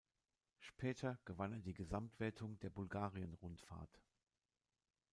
Später gewann er die Gesamtwertung der Bulgarien-Rundfahrt.